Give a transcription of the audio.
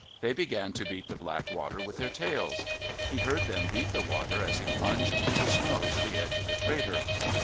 They began to beat the black water with their tails. He heard them beat the water as he plunged through the snow to the edge of the crater.